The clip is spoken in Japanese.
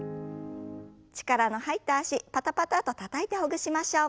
力の入った脚パタパタッとたたいてほぐしましょう。